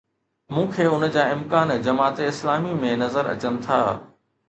مون کي ان جا امڪان جماعت اسلامي ۾ نظر اچن ٿا.